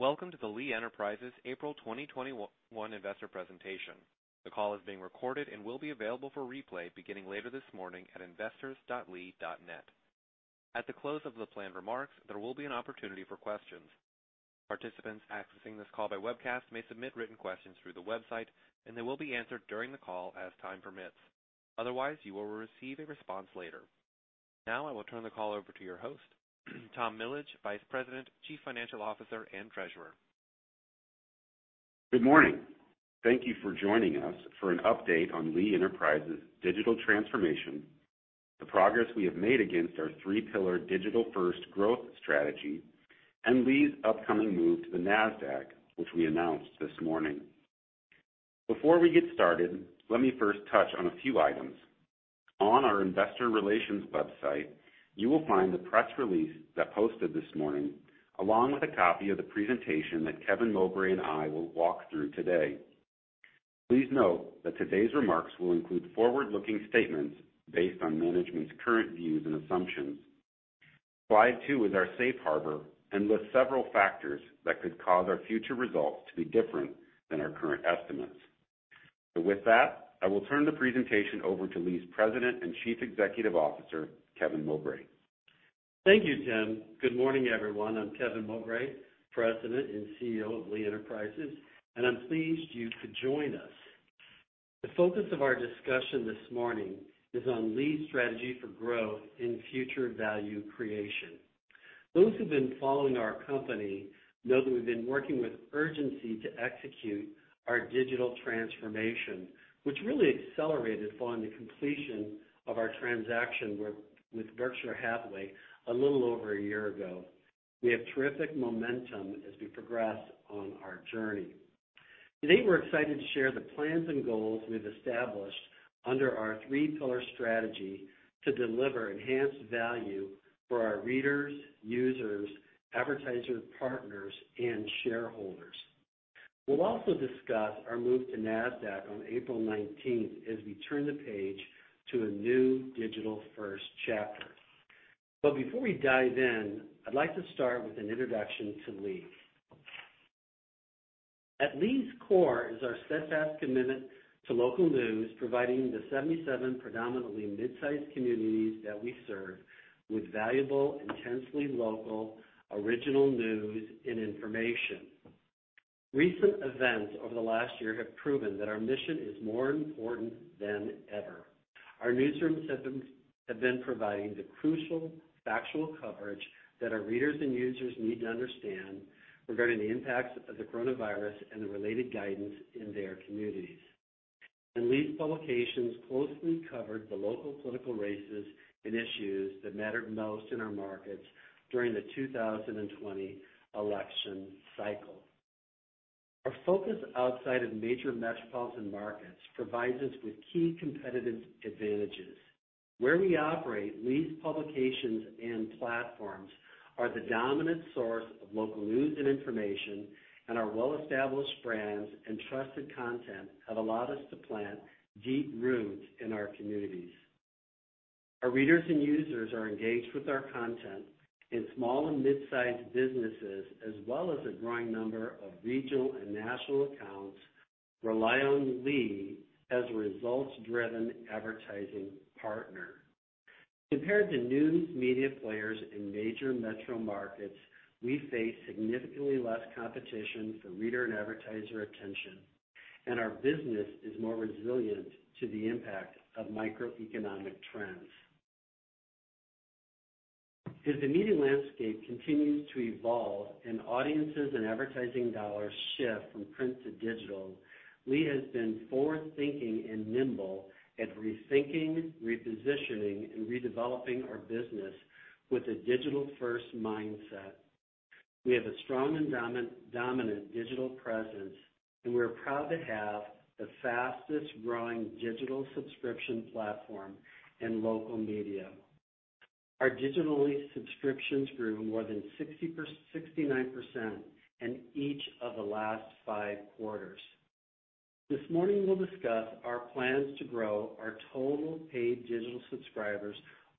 Welcome to the Lee Enterprises April 2021 investor presentation. The call is being recorded and will be available for replay beginning later this morning at investors.lee.net. At the close of the planned remarks, there will be an opportunity for questions. Participants accessing this call by webcast may submit written questions through the website, and they will be answered during the call as time permits. Otherwise, you will receive a response later. Now I will turn the call over to your host, Tim Millage, Vice President, Chief Financial Officer, and Treasurer. Good morning. Thank you for joining us for an update on Lee Enterprises' digital transformation, the progress we have made against our three-pillar digital-first growth strategy, and Lee's upcoming move to the Nasdaq, which we announced this morning. Before we get started, let me first touch on a few items. On our investor relations website, you will find the press release that posted this morning, along with a copy of the presentation that Kevin Mowbray and I will walk through today. Please note that today's remarks will include forward-looking statements based on management's current views and assumptions. Slide two is our Safe Harbor and lists several factors that could cause our future results to be different than our current estimates. With that, I will turn the presentation over to Lee's President and Chief Executive Officer, Kevin Mowbray. Thank you, Tim. Good morning, everyone. I'm Kevin Mowbray, President and CEO of Lee Enterprises, and I'm pleased you could join us. The focus of our discussion this morning is on Lee's strategy for growth and future value creation. Those who've been following our company know that we've been working with urgency to execute our digital transformation, which really accelerated following the completion of our transaction with Berkshire Hathaway a little over a year ago. We have terrific momentum as we progress on our journey. Today, we're excited to share the plans and goals we've established under our three-pillar strategy to deliver enhanced value for our readers, users, advertiser partners, and shareholders. We'll also discuss our move to Nasdaq on April 19th as we turn the page to a new digital-first chapter. Before we dive in, I'd like to start with an introduction to Lee's. At Lee's core is our steadfast commitment to local news, providing the 77 predominantly midsize communities that we serve with valuable, intensely local, original news and information. Recent events over the last year have proven that our mission is more important than ever. Our newsrooms have been providing the crucial factual coverage that our readers and users need to understand regarding the impacts of the coronavirus and the related guidance in their communities. Lee's publications closely covered the local political races and issues that mattered most in our markets during the 2020 election cycle. Our focus outside of major metropolitan markets provides us with key competitive advantages. Where we operate, Lee's publications and platforms are the dominant source of local news and information, and our well-established brands and trusted content have allowed us to plant deep roots in our communities. Our readers and users are engaged with our content in small and midsize businesses, as well as a growing number of regional and national accounts rely on Lee as a results-driven advertising partner. Compared to news media players in major metro markets, we face significantly less competition for reader and advertiser attention, and our business is more resilient to the impact of macroeconomic trends. As the media landscape continues to evolve and audiences and advertising dollars shift from print to digital, Lee has been forward-thinking and nimble at rethinking, repositioning, and redeveloping our business with a digital-first mindset. We have a strong and dominant digital presence, and we're proud to have the fastest growing digital subscription platform in local media. Our digital subscriptions grew more than 69% in each of the last five quarters. This morning, we'll discuss our plans to grow our total paid digital subscribers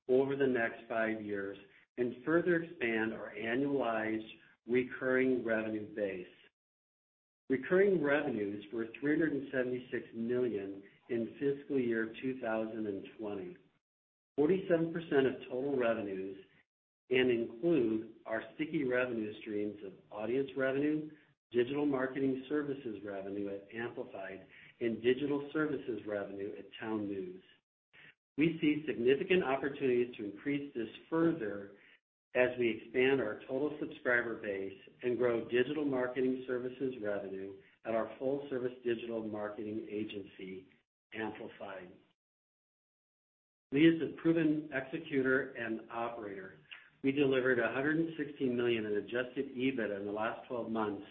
over the next five years and further expand our annualized recurring revenue base. Recurring revenues were $376 million in fiscal year 2020. 47% of total revenues and include our sticky revenue streams of audience revenue, digital marketing services revenue at Amplified, and digital services revenue at TownNews. We see significant opportunities to increase this further as we expand our total subscriber base and grow digital marketing services revenue at our full-service digital marketing agency, Amplified. Lee is a proven executor and operator. We delivered $116 million in adjusted EBIT in the last 12 months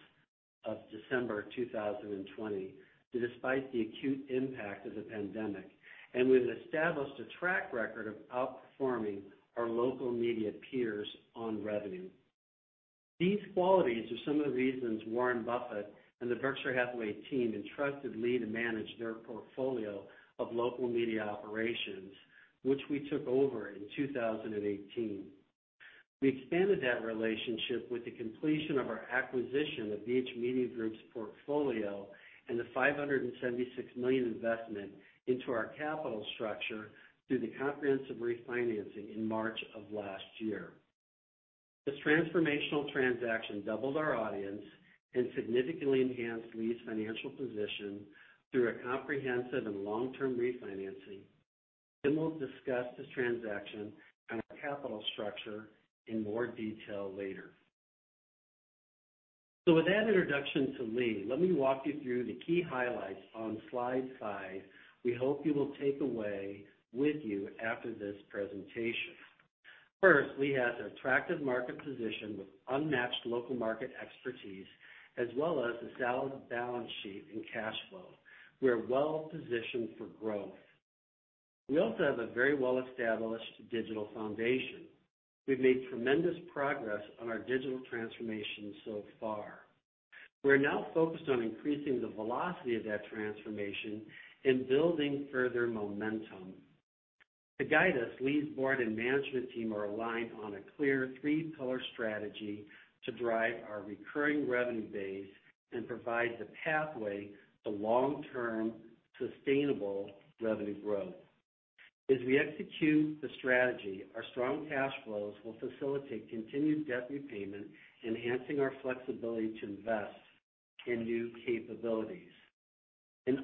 of December 2020, despite the acute impact of the pandemic, and we've established a track record of outperforming our local media peers on revenue. These qualities are some of the reasons Warren Buffett and the Berkshire Hathaway team entrusted Lee to manage their portfolio of local media operations, which we took over in 2018. We expanded that relationship with the completion of our acquisition of BH Media Group's portfolio and the $576 million investment into our capital structure through the comprehensive refinancing in March of last year. This transformational transaction doubled our audience and significantly enhanced Lee's financial position through a comprehensive and long-term refinancing. We'll discuss this transaction and our capital structure in more detail later. With that introduction to Lee, let me walk you through the key highlights on slide five we hope you will take away with you after this presentation. First, we have an attractive market position with unmatched local market expertise, as well as a solid balance sheet and cash flow. We are well positioned for growth. We also have a very well established digital foundation. We've made tremendous progress on our digital transformation so far. We're now focused on increasing the velocity of that transformation and building further momentum. To guide us, Lee's board and management team are aligned on a clear three-pillar strategy to drive our recurring revenue base and provide the pathway to long-term sustainable revenue growth.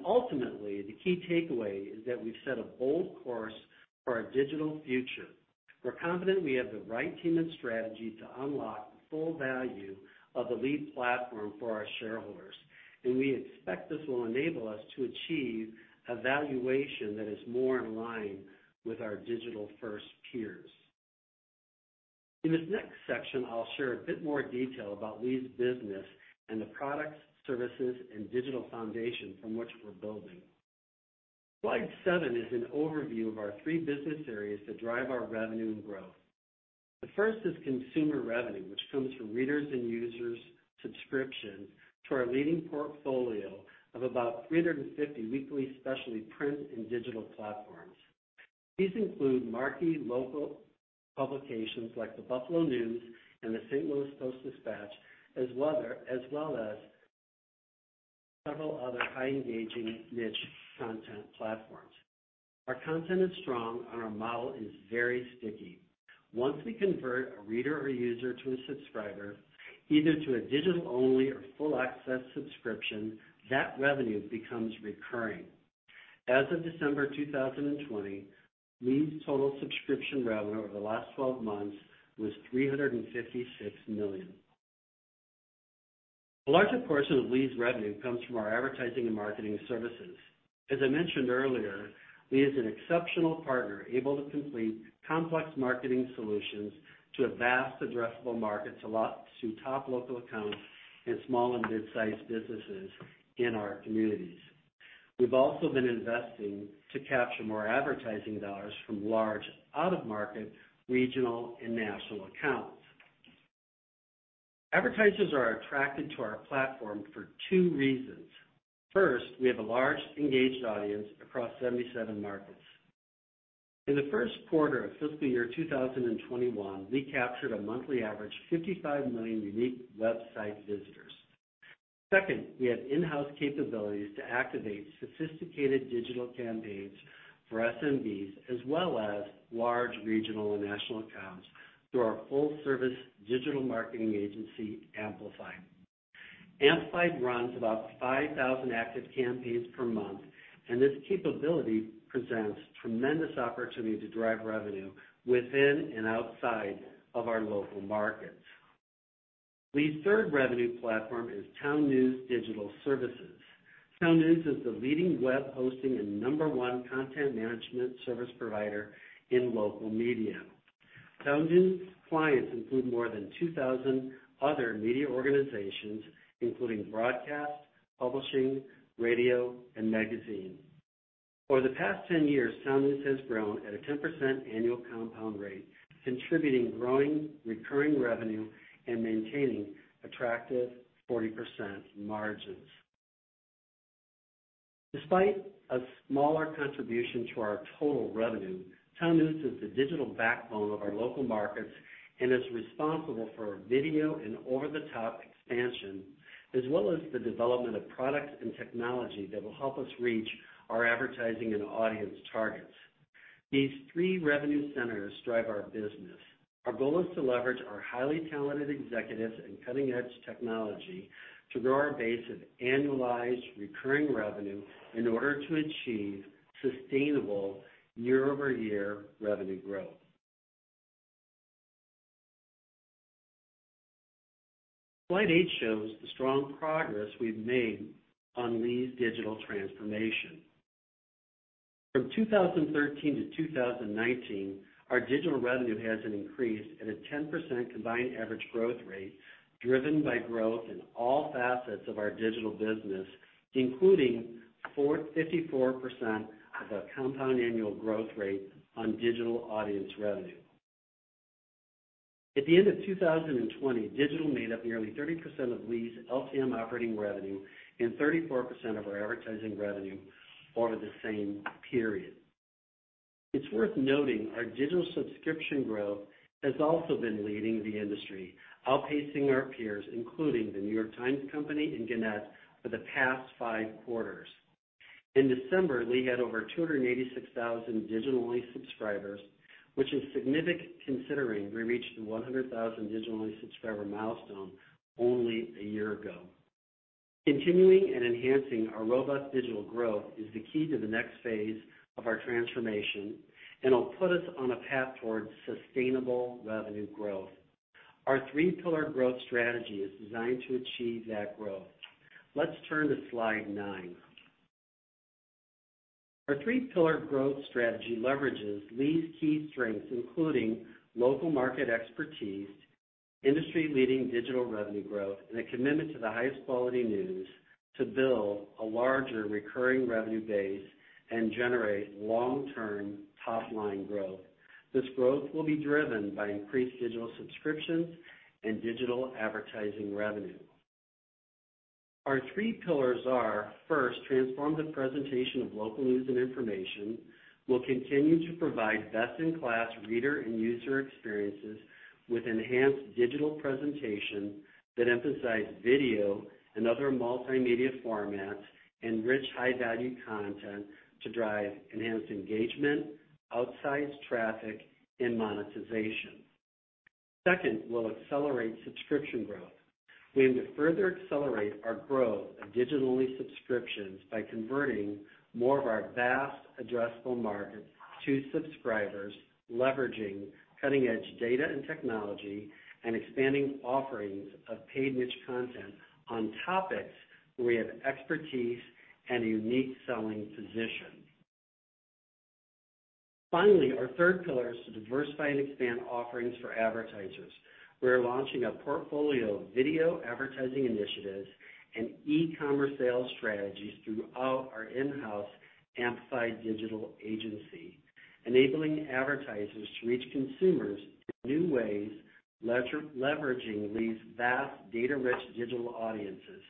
Ultimately, the key takeaway is that we've set a bold course for our digital future. We're confident we have the right team and strategy to unlock the full value of the Lee platform for our shareholders, and we expect this will enable us to achieve a valuation that is more in line with our digital-first peers. In this next section, I'll share a bit more detail about Lee's business and the products, services, and digital foundation from which we're building. Slide seven is an overview of our three business areas that drive our revenue and growth. The first is consumer revenue, which comes from readers' and users' subscriptions to our leading portfolio of about 350 weekly specialty print and digital platforms. These include marquee local publications like The Buffalo News and the St. Louis Post-Dispatch, as well as several other high engaging niche content platforms. Our content is strong, and our model is very sticky. Once we convert a reader or user to a subscriber, either to a digital-only or full access subscription, that revenue becomes recurring. As of December 2020, Lee's total subscription revenue over the last 12 months was $356 million. A larger portion of Lee's revenue comes from our advertising and marketing services. As I mentioned earlier, Lee is an exceptional partner, able to complete complex marketing solutions to a vast addressable market to top local accounts and small and mid-sized businesses in our communities. We've also been investing to capture more advertising dollars from large out-of-market regional and national accounts. Advertisers are attracted to our platform for two reasons. First, we have a large engaged audience across 77 markets. In the first quarter of fiscal year 2021, we captured a monthly average 55 million unique website visitors. Second, we have in-house capabilities to activate sophisticated digital campaigns for SMBs as well as large regional and national accounts through our full-service digital marketing agency, Amplified. Amplified runs about 5,000 active campaigns per month. This capability presents tremendous opportunity to drive revenue within and outside of our local markets. Lee's third revenue platform is TownNews Digital Services. TownNews is the leading web hosting and number one content management service provider in local media. TownNews clients include more than 2,000 other media organizations, including broadcast, publishing, radio, and magazine. Over the past 10 years, TownNews has grown at a 10% annual compound rate, contributing growing recurring revenue and maintaining attractive 40% margins. Despite a smaller contribution to our total revenue, TownNews is the digital backbone of our local markets and is responsible for our video and over-the-top expansion as well as the development of products and technology that will help us reach our advertising and audience targets. These three revenue centers drive our business. Our goal is to leverage our highly talented executives and cutting-edge technology to grow our base of annualized recurring revenue in order to achieve sustainable year-over-year revenue growth. Slide eight shows the strong progress we've made on Lee's digital transformation. From 2013 to 2019, our digital revenue has increased at a 10% combined average growth rate, driven by growth in all facets of our digital business, including 54% of a compound annual growth rate on digital audience revenue. At the end of 2020, digital made up nearly 30% of Lee's LTM operating revenue and 34% of our advertising revenue over the same period. It's worth noting our digital subscription growth has also been leading the industry, outpacing our peers, including The New York Times Company and Gannett for the past five quarters. In December, Lee had over 286,000 digital-only subscribers, which is significant considering we reached the 100,000 digital-only subscriber milestone only a year ago. Continuing and enhancing our robust digital growth is the key to the next phase of our transformation and will put us on a path towards sustainable revenue growth. Our three-pillar growth strategy is designed to achieve that growth. Let's turn to slide nine. Our three-pillar growth strategy leverages Lee's key strengths, including local market expertise, industry-leading digital revenue growth, and a commitment to the highest quality news to build a larger recurring revenue base and generate long-term top-line growth. This growth will be driven by increased digital subscriptions and digital advertising revenue. Our three pillars are, first, transform the presentation of local news and information. We'll continue to provide best-in-class reader and user experiences with enhanced digital presentation that emphasize video and other multimedia formats and rich high-value content to drive enhanced engagement, outsized traffic, and monetization. Second, we'll accelerate subscription growth. We aim to further accelerate our growth of digital-only subscriptions by converting more of our vast addressable market to subscribers, leveraging cutting-edge data and technology, and expanding offerings of paid niche content on topics where we have expertise and a unique selling position. Finally, our third pillar is to diversify and expand offerings for advertisers. We are launching a portfolio of video advertising initiatives and e-commerce sales strategies throughout our in-house Amplified Digital Agency, enabling advertisers to reach consumers in new ways, leveraging Lee's vast data-rich digital audiences.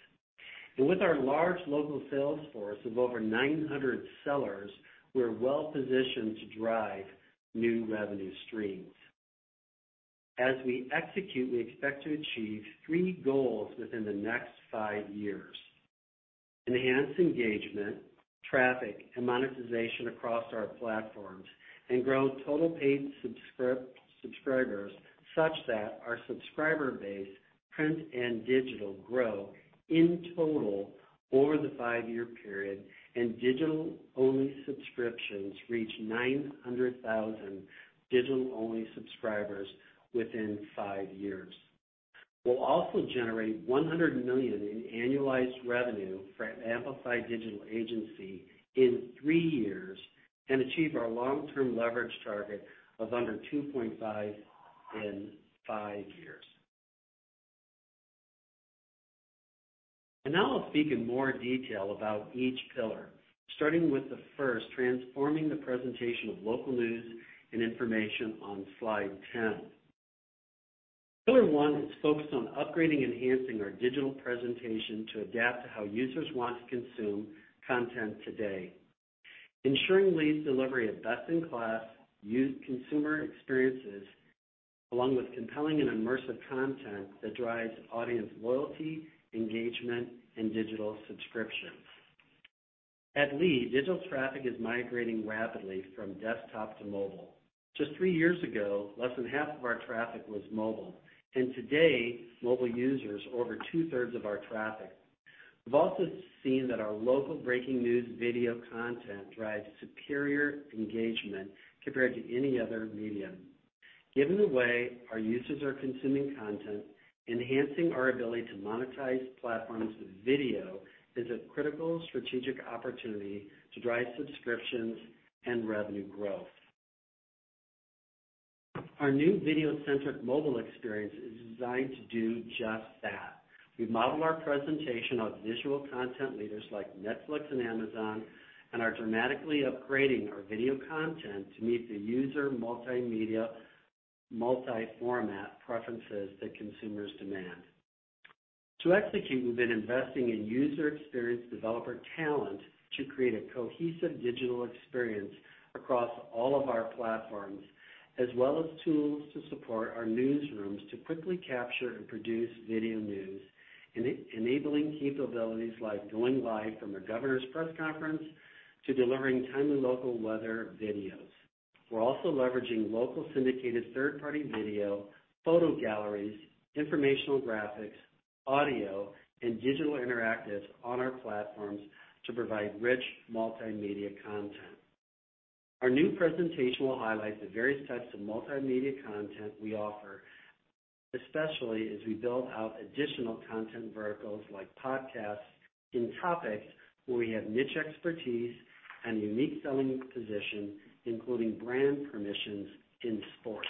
With our large local sales force of over 900 sellers, we're well positioned to drive new revenue streams. As we execute, we expect to achieve three goals within the next five years: enhance engagement, traffic, and monetization across our platforms and grow total paid subscribers such that our subscriber base, print and digital, grow in total over the five-year period and digital-only subscriptions reach 900,000 digital-only subscribers within five years. We'll also generate $100 million in annualized revenue for Amplified Digital Agency in three years and achieve our long-term leverage target of under 2.5 in five years. Now I'll speak in more detail about each pillar, starting with the first, transforming the presentation of local news and information on slide 10. Pillar one is focused on upgrading and enhancing our digital presentation to adapt to how users want to consume content today. Ensuring Lee's delivery of best-in-class consumer experiences, along with compelling and immersive content that drives audience loyalty, engagement, and digital subscriptions. At Lee, digital traffic is migrating rapidly from desktop to mobile. Just three years ago, less than half of our traffic was mobile. Today, mobile users are over two-thirds of our traffic. We've also seen that our local breaking news video content drives superior engagement compared to any other medium. Given the way our users are consuming content, enhancing our ability to monetize platforms with video is a critical strategic opportunity to drive subscriptions and revenue growth. Our new video-centric mobile experience is designed to do just that. We model our presentation on visual content leaders like Netflix and Amazon and are dramatically upgrading our video content to meet the user multimedia multi-format preferences that consumers demand. To execute, we've been investing in user experience developer talent to create a cohesive digital experience across all of our platforms, as well as tools to support our newsrooms to quickly capture and produce video news, enabling capabilities like going live from a governor's press conference to delivering timely local weather videos. We're also leveraging local syndicated third-party video, photo galleries, informational graphics, audio, and digital interactives on our platforms to provide rich multimedia content. Our new presentation will highlight the various types of multimedia content we offer, especially as we build out additional content verticals like podcasts in topics where we have niche expertise and unique selling position, including brand permissions in sports.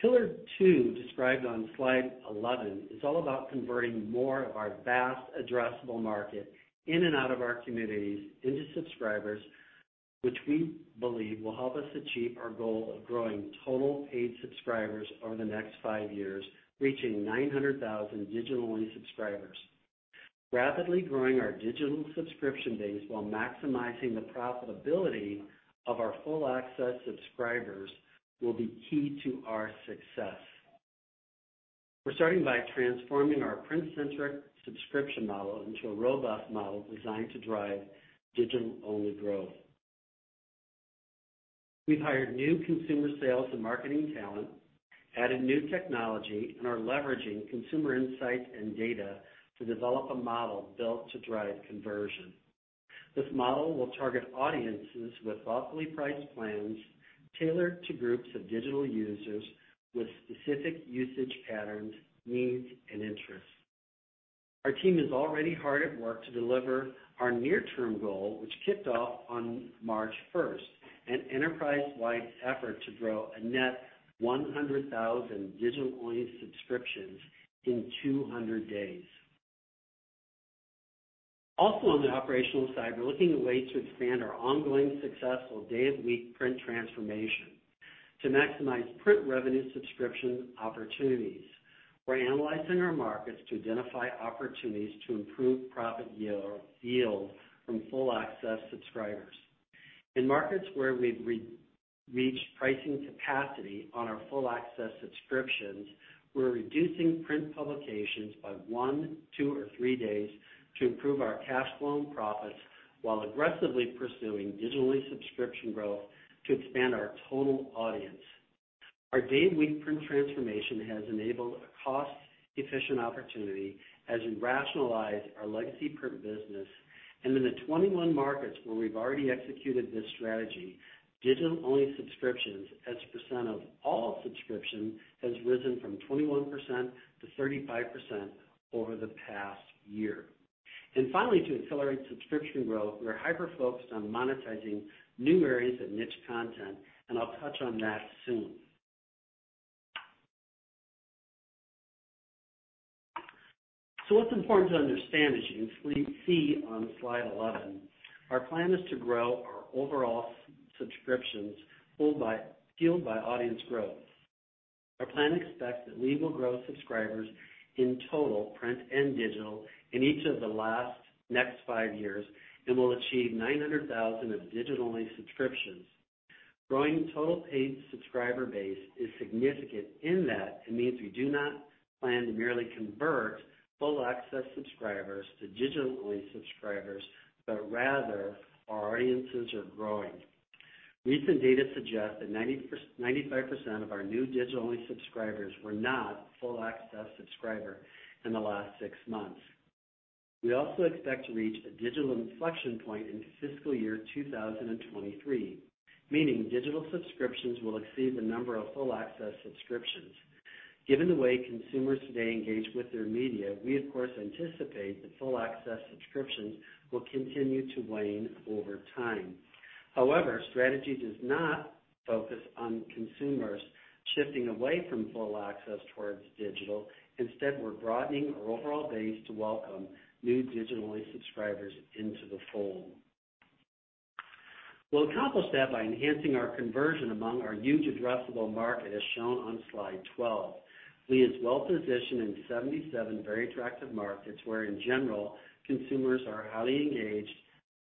Pillar two, described on slide 11, is all about converting more of our vast addressable market in and out of our communities into subscribers. Which we believe will help us achieve our goal of growing total paid subscribers over the next five years, reaching 900,000 digital-only subscribers. Rapidly growing our digital subscription base while maximizing the profitability of our full access subscribers will be key to our success. We're starting by transforming our print-centric subscription model into a robust model designed to drive digital-only growth. We've hired new consumer sales and marketing talent, added new technology, and are leveraging consumer insights and data to develop a model built to drive conversion. This model will target audiences with thoughtfully priced plans tailored to groups of digital users with specific usage patterns, needs, and interests. Our team is already hard at work to deliver our near-term goal, which kicked off on March 1st, an enterprise-wide effort to grow a net 100,000 digital-only subscriptions in 200 days. Also, on the operational side, we're looking at ways to expand our ongoing successful day-of-week print transformation to maximize print revenue subscription opportunities. We're analyzing our markets to identify opportunities to improve profit yield from full access subscribers. In markets where we've reached pricing capacity on our full access subscriptions, we're reducing print publications by one, two, or three days to improve our cash flow and profits while aggressively pursuing digital-only subscription growth to expand our total audience. A day week print transformation has enabled a cost-efficient opportunity as we rationalize our legacy print business. In the 21 markets where we've already executed this strategy, digital-only subscriptions as a percent of all subscriptions has risen from 21%-35% over the past year. Finally, to accelerate subscription growth, we are hyper-focused on monetizing new areas of niche content, and I'll touch on that soon. What's important to understand, as you can see on slide 11, our plan is to grow our overall subscriptions fueled by audience growth. Our plan expects that Lee will grow subscribers in total, print and digital, in each of the last next five years and will achieve 900,000 of digital-only subscriptions. Growing total paid subscriber base is significant in that it means we do not plan to merely convert full access subscribers to digital-only subscribers, but rather our audiences are growing. Recent data suggest that 95% of our new digital-only subscriber were not full access subscriber in the last six months. We also expect to reach a digital inflection point in fiscal year 2023, meaning digital subscriptions will exceed the number of full access subscriptions. Given the way consumers today engage with their media, we of course anticipate that full access subscriptions will continue to wane over time. However, our strategy does not focus on consumers shifting away from full access towards digital. Instead, we're broadening our overall base to welcome new digital-only subscribers into the fold. We'll accomplish that by enhancing our conversion among our huge addressable market, as shown on slide 12. Lee is well positioned in 77 very attractive markets where, in general, consumers are highly engaged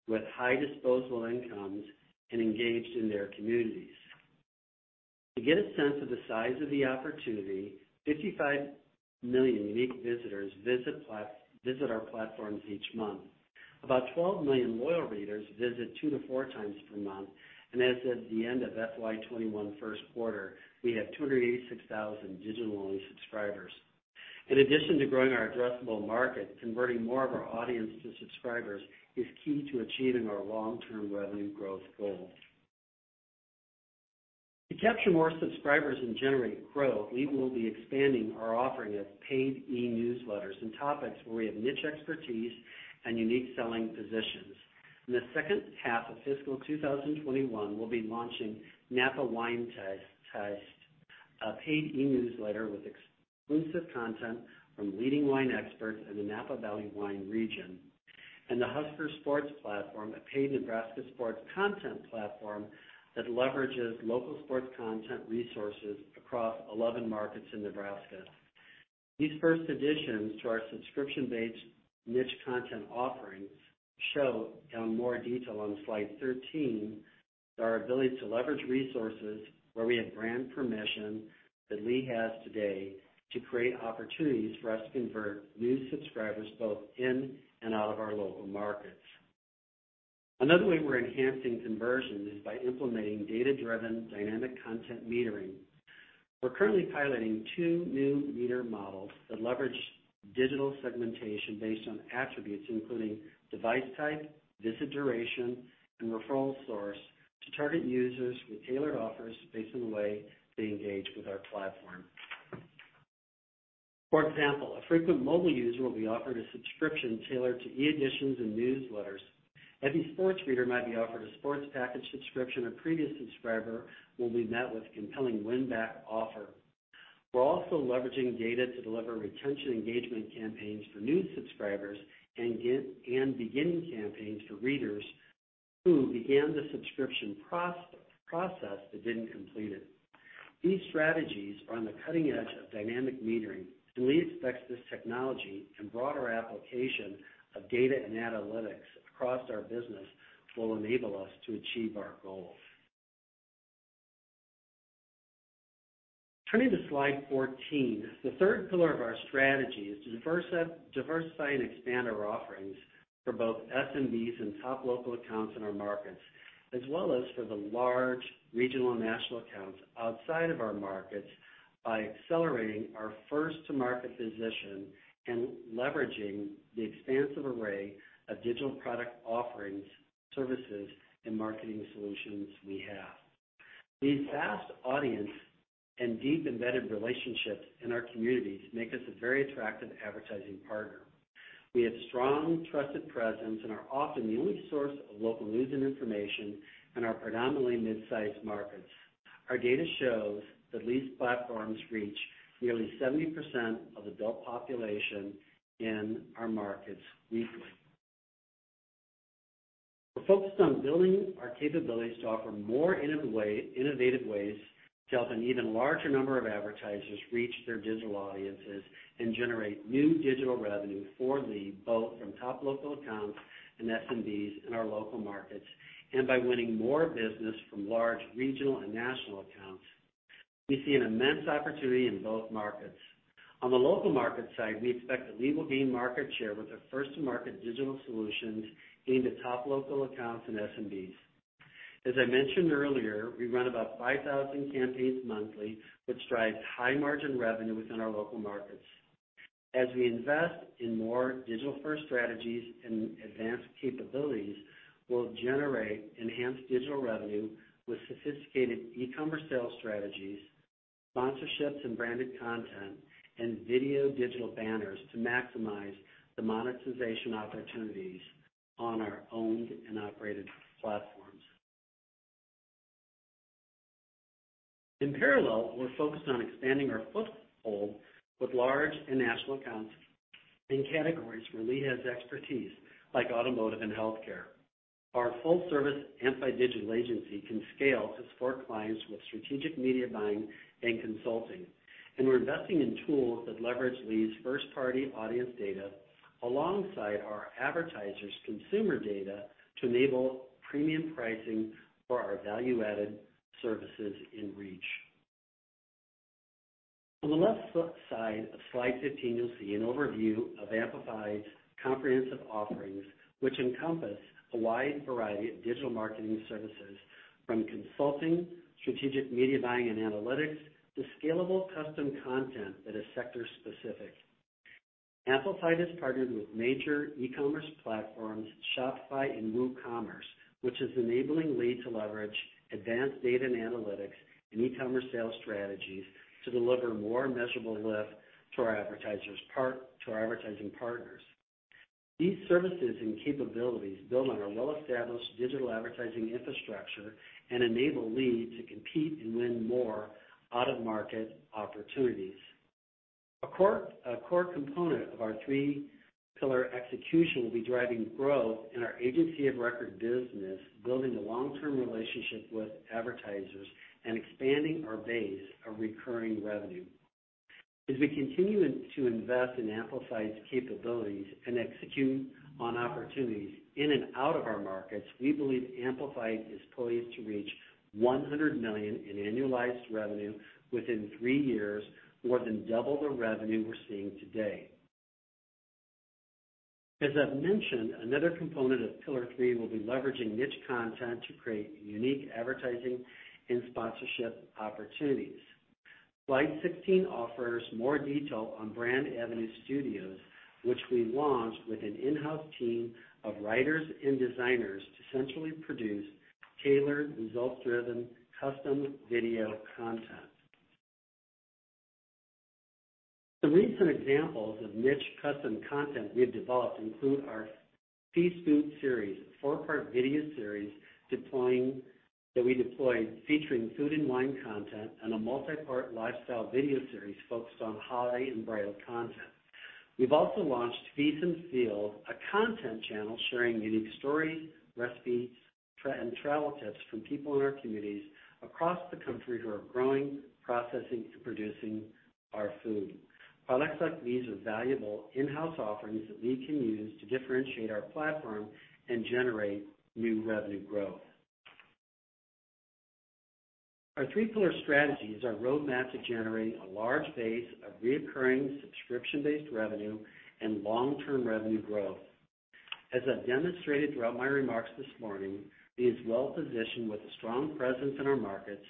with high disposable incomes and engaged in their communities. To get a sense of the size of the opportunity, 55 million unique visitors visit our platforms each month. About 12 million loyal readers visit 2x-4x per month. As of the end of FY 2021 first quarter, we have 286,000 digital-only subscribers. In addition to growing our addressable market, converting more of our audience to subscribers is key to achieving our long-term revenue growth goal. To capture more subscribers and generate growth, Lee will be expanding our offering of paid e-newsletters and topics where we have niche expertise and unique selling positions. In the second half of fiscal 2021, we'll be launching Napa Wine Taste, a paid e-newsletter with exclusive content from leading wine experts in the Napa Valley wine region, and the Husker Sports Platform, a paid Nebraska sports content platform that leverages local sports content resources across 11 markets in Nebraska. These first additions to our subscription-based niche content offerings show, in more detail on slide 13, our ability to leverage resources where we have brand permission that Lee has today to create opportunities for us to convert new subscribers both in and out of our local markets. Another way we're enhancing conversion is by implementing data-driven dynamic content metering. We're currently piloting two new meter models that leverage digital segmentation based on attributes including device type, visit duration, and referral source to target users with tailored offers based on the way they engage with our platform. For example, a frequent mobile user will be offered a subscription tailored to e-editions and newsletters. A heavy sports reader might be offered a sports package subscription. A previous subscriber will be met with a compelling win-back offer. We're also leveraging data to deliver retention engagement campaigns for new subscribers and beginning campaigns for readers who began the subscription process but didn't complete it. These strategies are on the cutting edge of dynamic metering, and Lee expects this technology and broader application of data and analytics across our business will enable us to achieve our goals. Turning to slide 14, the third pillar of our strategy is to diversify and expand our offerings for both SMBs and top local accounts in our markets, as well as for the large regional and national accounts outside of our markets by accelerating our first-to-market position and leveraging the expansive array of digital product offerings, services, and marketing solutions we have. Lee's vast audience and deep embedded relationships in our communities make us a very attractive advertising partner. We have strong, trusted presence and are often the only source of local news and information in our predominantly midsize markets. Our data shows that Lee's platforms reach nearly 70% of adult population in our markets weekly. We're focused on building our capabilities to offer more innovative ways to help an even larger number of advertisers reach their digital audiences and generate new digital revenue for Lee, both from top local accounts and SMBs in our local markets, and by winning more business from large regional and national accounts. We see an immense opportunity in both markets. On the local market side, we expect that Lee will gain market share with our first-to-market digital solutions aimed at top local accounts and SMBs. As I mentioned earlier, we run about 5,000 campaigns monthly, which drives high margin revenue within our local markets. As we invest in more digital-first strategies and advanced capabilities, we'll generate enhanced digital revenue with sophisticated e-commerce sales strategies, sponsorships, and branded content, and video digital banners to maximize the monetization opportunities on our owned and operated platforms. In parallel, we're focused on expanding our foothold with large and national accounts in categories where Lee has expertise, like automotive and healthcare. Our full service Amplified Digital Agency can scale to support clients with strategic media buying and consulting. We're investing in tools that leverage Lee's first-party audience data alongside our advertisers' consumer data to enable premium pricing for our value-added services in reach. On the left side of slide 15, you'll see an overview of Amplified's comprehensive offerings, which encompass a wide variety of digital marketing services from consulting, strategic media buying and analytics, to scalable custom content that is sector specific. Amplified has partnered with major e-commerce platforms Shopify and WooCommerce, which is enabling Lee to leverage advanced data and analytics and e-commerce sales strategies to deliver more measurable lift to our advertising partners. These services and capabilities build on our well-established digital advertising infrastructure and enable Lee to compete and win more out-of-market opportunities. A core component of our three pillar execution will be driving growth in our agency of record business, building a long-term relationship with advertisers and expanding our base of recurring revenue. We continue to invest in Amplified's capabilities and execute on opportunities in and out of our markets, we believe Amplified is poised to reach $100 million in annualized revenue within three years, more than double the revenue we're seeing today. I've mentioned, another component of pillar three will be leveraging niche content to create unique advertising and sponsorship opportunities. Slide 16 offers more detail on Brand Avenue Studios, which we launched with an in-house team of writers and designers to centrally produce tailored, results-driven custom video content. Some recent examples of niche custom content we have developed include our Feast Food series, a four-part video series that we deployed featuring food and wine content, and a multi-part lifestyle video series focused on holiday and bridal content. We've also launched Feast & Field, a content channel sharing unique stories, recipes, and travel tips from people in our communities across the country who are growing, processing, and producing our food. Products like these are valuable in-house offerings that we can use to differentiate our platform and generate new revenue growth. Our three pillar strategies are roadmap to generating a large base of recurring subscription-based revenue and long-term revenue growth. As I've demonstrated throughout my remarks this morning, Lee is well positioned with a strong presence in our markets,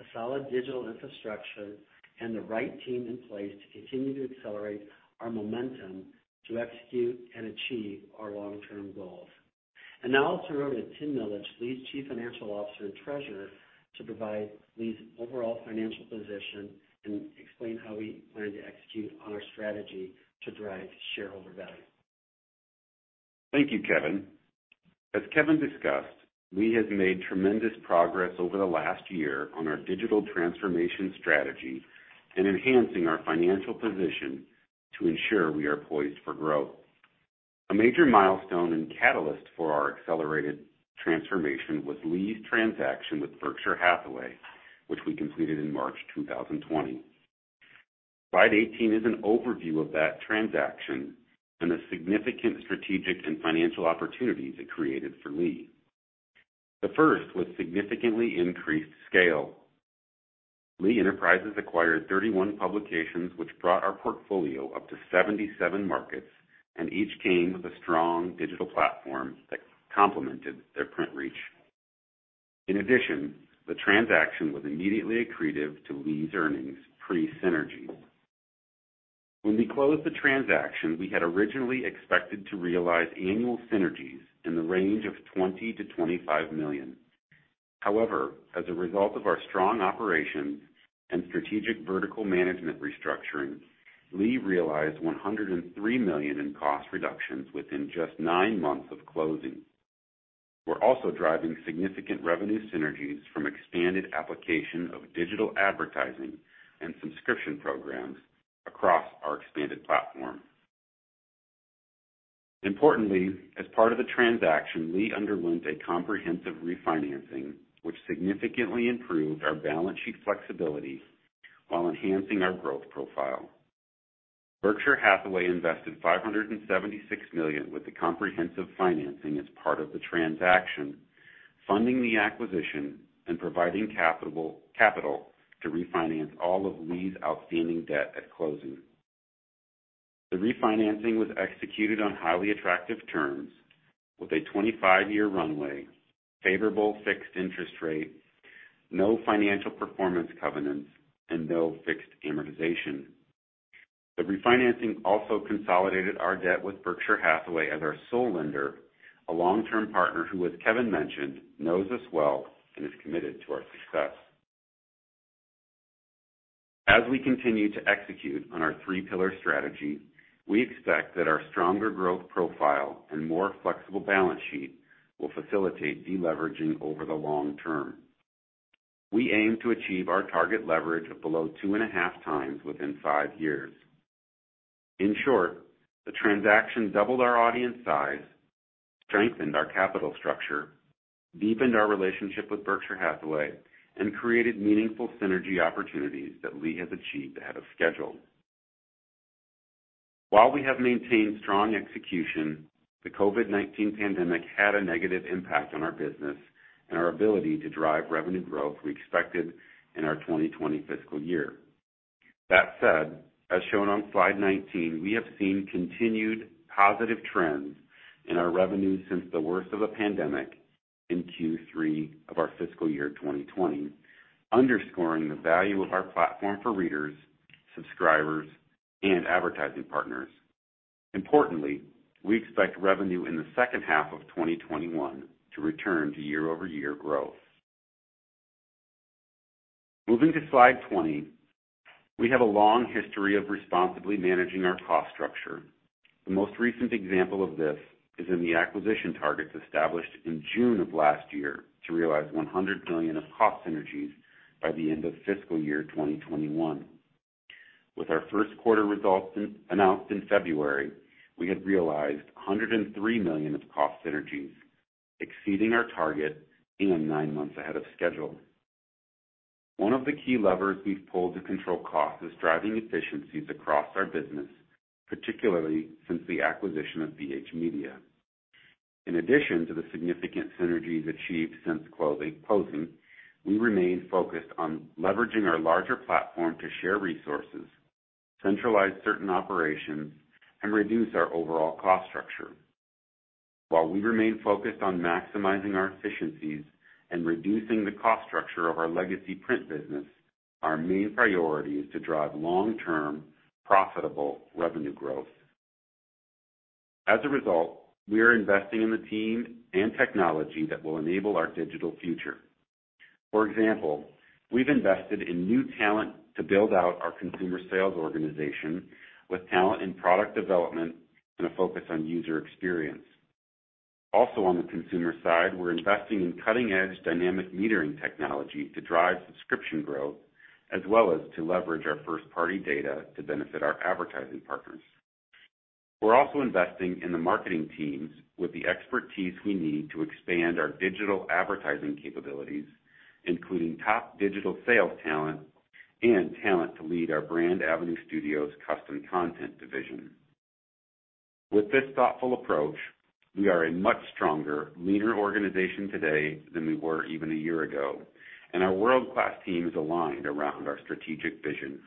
a solid digital infrastructure, and the right team in place to continue to accelerate our momentum to execute and achieve our long-term goals. Now I'll turn it over to Tim Millage, Lee's Chief Financial Officer and Treasurer, to provide Lee's overall financial position and explain how we plan to execute on our strategy to drive shareholder value. Thank you, Kevin. As Kevin discussed, Lee has made tremendous progress over the last year on our digital transformation strategy and enhancing our financial position to ensure we are poised for growth. A major milestone and catalyst for our accelerated transformation was Lee's transaction with Berkshire Hathaway, which we completed in March 2020. Slide 18 is an overview of that transaction and the significant strategic and financial opportunities it created for Lee. The first was significantly increased scale. Lee Enterprises acquired 31 publications, which brought our portfolio up to 77 markets, and each came with a strong digital platform that complemented their print reach. In addition, the transaction was immediately accretive to Lee's earnings pre-synergy. When we closed the transaction, we had originally expected to realize annual synergies in the range of $20 million-$25 million. However, as a result of our strong operations and strategic vertical management restructuring, Lee realized $103 million in cost reductions within just nine months of closing. We're also driving significant revenue synergies from expanded application of digital advertising and subscription programs across our expanded platform. Importantly, as part of the transaction, Lee underwent a comprehensive refinancing, which significantly improved our balance sheet flexibility while enhancing our growth profile. Berkshire Hathaway invested $576 million with the comprehensive financing as part of the transaction, funding the acquisition and providing capital to refinance all of Lee's outstanding debt at closing. The refinancing was executed on highly attractive terms with a 25-year runway, favorable fixed interest rate, no financial performance covenants, and no fixed amortization. The refinancing also consolidated our debt with Berkshire Hathaway as our sole lender, a long-term partner who, as Kevin mentioned, knows us well and is committed to our success. As we continue to execute on our three pillar strategy, we expect that our stronger growth profile and more flexible balance sheet will facilitate de-leveraging over the long term. We aim to achieve our target leverage of below 2.5x within five years. In short, the transaction doubled our audience size, strengthened our capital structure, deepened our relationship with Berkshire Hathaway, and created meaningful synergy opportunities that Lee has achieved ahead of schedule. While we have maintained strong execution, the COVID-19 pandemic had a negative impact on our business and our ability to drive revenue growth we expected in our 2020 fiscal year. That said, as shown on slide 19, we have seen continued positive trends in our revenue since the worst of the pandemic in Q3 of our fiscal year 2020, underscoring the value of our platform for readers, subscribers, and advertising partners. Importantly, we expect revenue in the second half of 2021 to return to year-over-year growth. Moving to slide 20. We have a long history of responsibly managing our cost structure. The most recent example of this is in the acquisition targets established in June of last year to realize $100 million of cost synergies by the end of fiscal year 2021. With our first quarter results announced in February, we had realized $103 million of cost synergies, exceeding our target and nine months ahead of schedule. One of the key levers we've pulled to control cost is driving efficiencies across our business, particularly since the acquisition of BH Media. In addition to the significant synergies achieved since closing, we remain focused on leveraging our larger platform to share resources, centralize certain operations, and reduce our overall cost structure. While we remain focused on maximizing our efficiencies and reducing the cost structure of our legacy print business, our main priority is to drive long-term profitable revenue growth. As a result, we are investing in the team and technology that will enable our digital future. For example, we've invested in new talent to build out our consumer sales organization with talent in product development and a focus on user experience. Also, on the consumer side, we're investing in cutting-edge dynamic metering technology to drive subscription growth, as well as to leverage our first-party data to benefit our advertising partners. We're also investing in the marketing teams with the expertise we need to expand our digital advertising capabilities, including top digital sales talent and talent to lead our Brand Avenue Studios's custom content division. With this thoughtful approach, we are a much stronger, leaner organization today than we were even a year ago, and our world-class team is aligned around our strategic vision.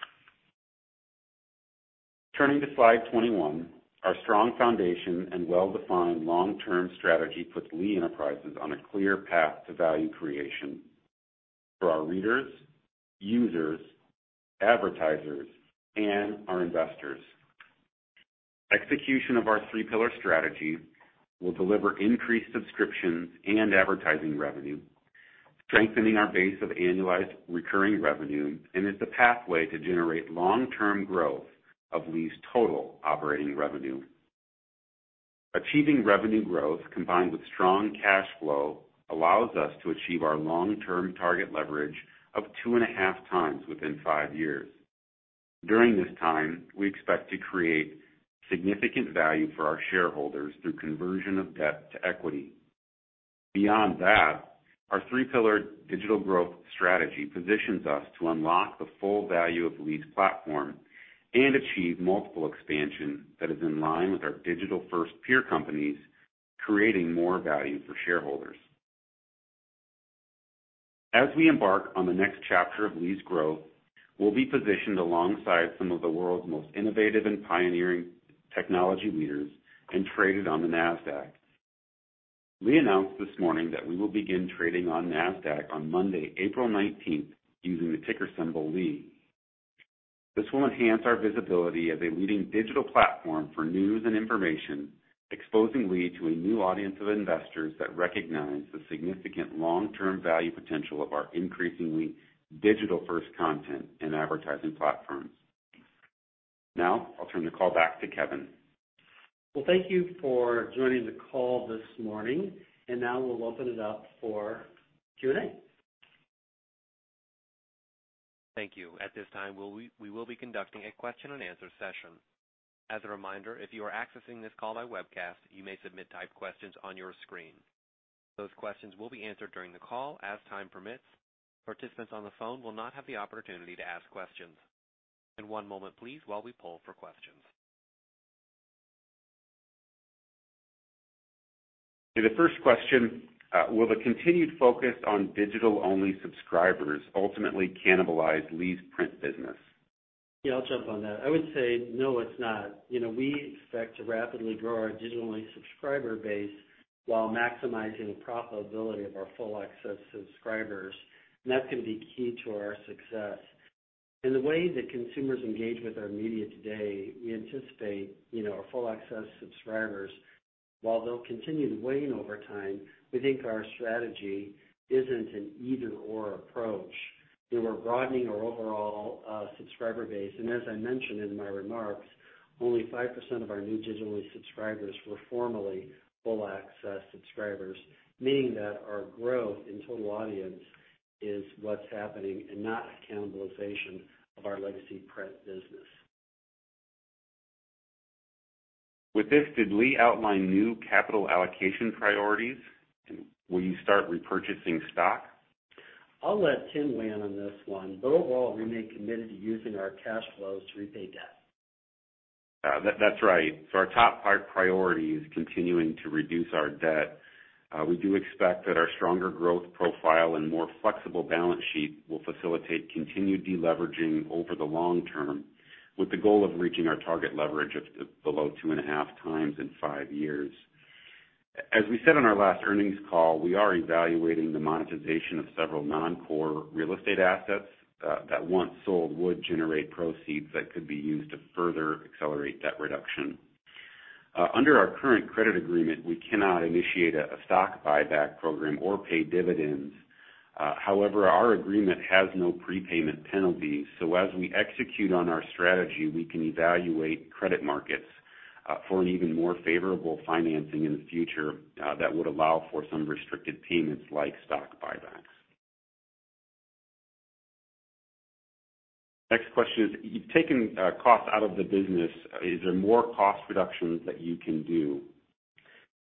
Turning to slide 21. Our strong foundation and well-defined long-term strategy puts Lee Enterprises on a clear path to value creation for our readers, users, advertisers, and our investors. Execution of our three-pillar strategy will deliver increased subscriptions and advertising revenue, strengthening our base of annualized recurring revenue and is the pathway to generate long-term growth of Lee's total operating revenue. Achieving revenue growth combined with strong cash flow allows us to achieve our long-term target leverage of 2.5x Within five years. During this time, we expect to create significant value for our shareholders through conversion of debt to equity. Beyond that, our three-pillared digital growth strategy positions us to unlock the full value of Lee's platform and achieve multiple expansion that is in line with our digital-first peer companies, creating more value for shareholders. As we embark on the next chapter of Lee's growth, we'll be positioned alongside some of the world's most innovative and pioneering technology leaders and traded on the Nasdaq. We announced this morning that we will begin trading on Nasdaq on Monday, April 19th, using the ticker symbol LEE. This will enhance our visibility as a leading digital platform for news and information, exposing Lee to a new audience of investors that recognize the significant long-term value potential of our increasingly digital-first content and advertising platforms. Now, I'll turn the call back to Kevin. Thank you for joining the call this morning, and now we'll open it up for Q&A. Thank you. At this time, we will be conducting a question and answer session. One moment please, while we poll for questions. The first question, will the continued focus on digital-only subscribers ultimately cannibalize Lee's print business? Yeah, I'll jump on that. I would say, no, it's not. We expect to rapidly grow our digital-only subscriber base while maximizing the profitability of our full access subscribers, and that's going to be key to our success. In the way that consumers engage with our media today, we anticipate our full access subscribers, while they'll continue to wane over time, we think our strategy isn't an either/or approach. We were broadening our overall subscriber base. As I mentioned in my remarks, only 5% of our new digital-only subscribers were formerly full access subscribers, meaning that our growth in total audience is what's happening and not a cannibalization of our legacy print business. With this, did Lee outline new capital allocation priorities? Will you start repurchasing stock? I'll let Tim weigh in on this one. Overall, we remain committed to using our cash flows to repay debt. That's right. Our top priority is continuing to reduce our debt. We do expect that our stronger growth profile and more flexible balance sheet will facilitate continued de-leveraging over the long term with the goal of reaching our target leverage of below 2.5x in five years. As we said on our last earnings call, we are evaluating the monetization of several non-core real estate assets that once sold, would generate proceeds that could be used to further accelerate debt reduction. Under our current credit agreement, we cannot initiate a stock buyback program or pay dividends. However, our agreement has no prepayment penalty. As we execute on our strategy, we can evaluate credit markets for an even more favorable financing in the future that would allow for some restricted payments like stock buybacks. Next question is, you've taken cost out of the business. Is there more cost reductions that you can do?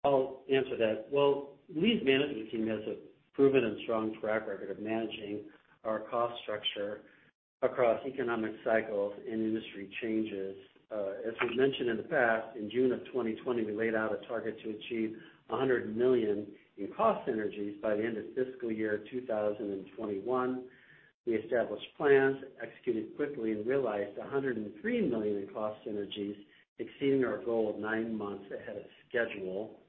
I'll answer that. Well, Lee's management team has a proven and strong track record of managing our cost structure across economic cycles and industry changes. As we've mentioned in the past, in June of 2020, we laid out a target to achieve $100 million in cost synergies by the end of fiscal year 2021. We established plans, executed quickly and realized $103 million in cost synergies, exceeding our goal of nine months ahead of schedule.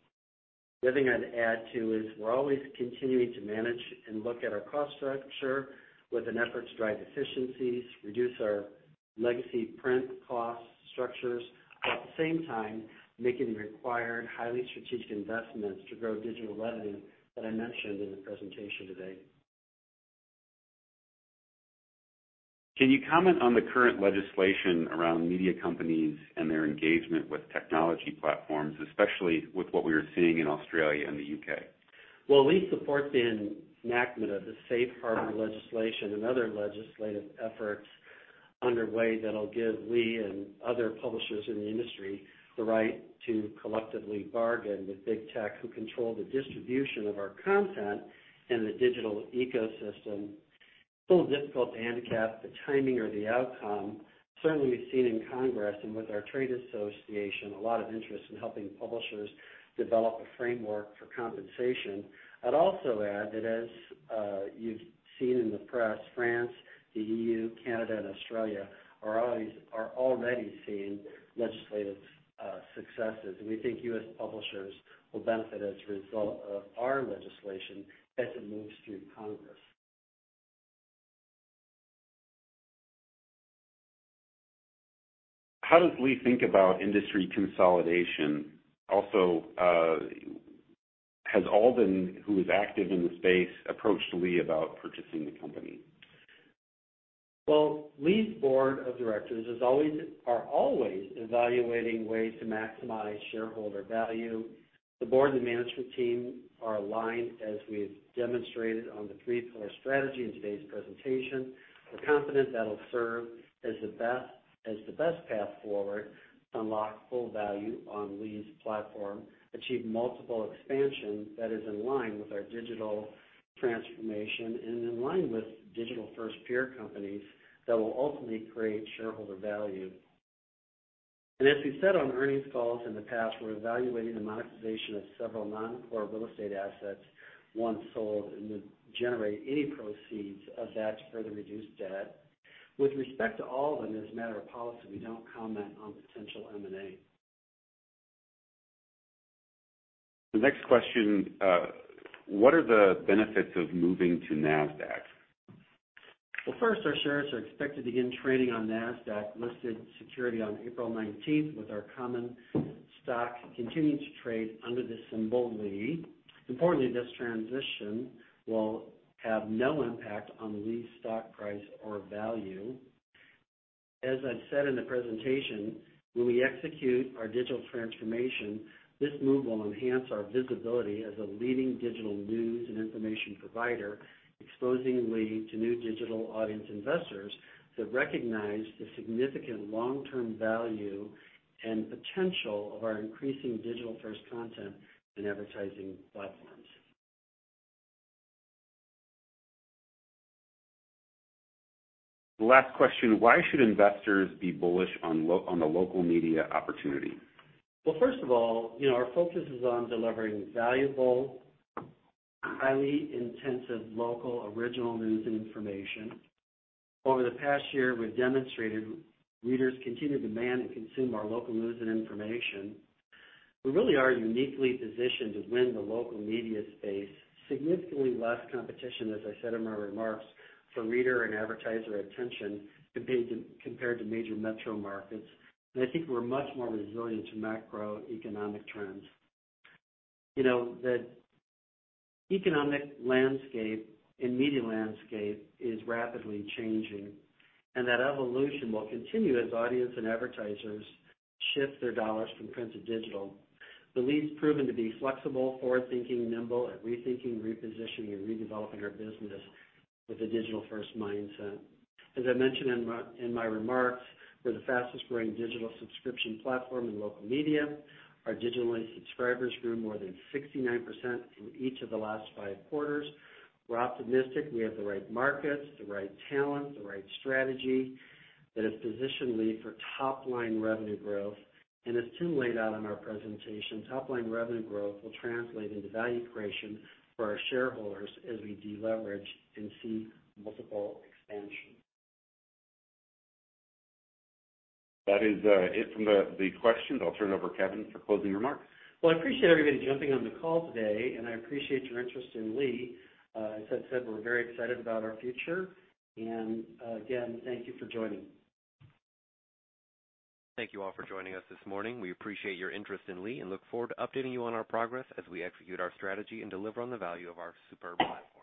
The other thing I'd add, too, is we're always continuing to manage and look at our cost structure with an effort to drive efficiencies, reduce our legacy print cost structures, while at the same time, making the required highly strategic investments to grow digital revenue that I mentioned in the presentation today. Can you comment on the current legislation around media companies and their engagement with technology platforms, especially with what we are seeing in Australia and the U.K.? Well, we support the enactment of the Safe Harbor legislation and other legislative efforts underway that'll give Lee and other publishers in the industry the right to collectively bargain with big tech who control the distribution of our content in the digital ecosystem. It's a little difficult to handicap the timing or the outcome. Certainly, we've seen in Congress and with our trade association, a lot of interest in helping publishers develop a framework for compensation. I'd also add that as you've seen in the press, France, the EU, Canada, and Australia are already seeing legislative successes, and we think U.S. publishers will benefit as a result of our legislation as it moves through Congress. How does Lee think about industry consolidation? Has Alden, who is active in the space, approached Lee about purchasing the company? Well, Lee's board of directors are always evaluating ways to maximize shareholder value. The board and management team are aligned, as we've demonstrated on the three-pillar strategy in today's presentation. We're confident that'll serve as the best path forward to unlock full value on Lee's platform, achieve multiple expansions that is in line with our digital transformation and in line with digital-first peer companies that will ultimately create shareholder value. As we've said on earnings calls in the past, we're evaluating the monetization of several non-core real estate assets once sold, and then generate any proceeds of that to further reduce debt. With respect to Alden, as a matter of policy, we don't comment on potential M&A. The next question, what are the benefits of moving to Nasdaq? Well, first, our shares are expected to begin trading on Nasdaq listed security on April 19th, with our common stock continuing to trade under the symbol LEE. Importantly, this transition will have no impact on LEE's stock price or value. As I've said in the presentation, when we execute our digital transformation, this move will enhance our visibility as a leading digital news and information provider, exposing Lee to new digital audience investors that recognize the significant long-term value and potential of our increasing digital-first content and advertising platforms. Last question, why should investors be bullish on the local media opportunity? Well, first of all, our focus is on delivering valuable, highly intensive, local original news and information. Over the past year, we've demonstrated readers continue to demand and consume our local news and information. We really are uniquely positioned to win the local media space. We have significantly less competition, as I said in my remarks, for reader and advertiser attention compared to major metro markets. I think we're much more resilient to macroeconomic trends. The economic landscape and media landscape is rapidly changing, and that evolution will continue as audience and advertisers shift their dollars from print to digital. Lee's proven to be flexible, forward-thinking, nimble at rethinking, repositioning, and redeveloping our business with a digital-first mindset. As I mentioned in my remarks, we're the fastest-growing digital subscription platform in local media. Our digital subscribers grew more than 69% through each of the last five quarters. We're optimistic we have the right markets, the right talent, the right strategy that has positioned Lee for top-line revenue growth. As Tim laid out in our presentation, top-line revenue growth will translate into value creation for our shareholders as we deleverage and seek multiple expansion. That is it from the questions. I'll turn it over to Kevin for closing remarks. Well, I appreciate everybody jumping on the call today, and I appreciate your interest in Lee. As I said, we're very excited about our future. Again, thank you for joining. Thank you all for joining us this morning. We appreciate your interest in Lee and look forward to updating you on our progress as we execute our strategy and deliver on the value of our superb platform.